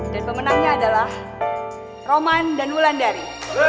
dan pemenangnya adalah roman dan wulan dari